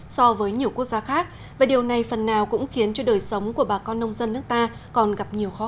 xin chào và hẹn gặp lại trong các bản tin tiếp theo